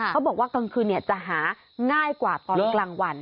เขาบอกว่ากลางคืนจะหาง่ายกว่าตอนกลางวัน